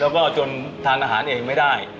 แล้วก็จนทานอาหารเองไม่ได้